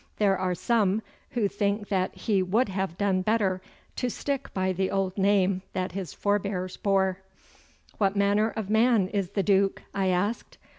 There are some who think that he would have done better to stick by the old name that his forebears bore.' 'What manner of man is the Duke?' I asked.